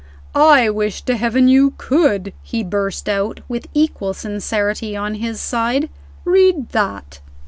"I wish to heaven you could!" he burst out, with equal sincerity on his side. "Read that."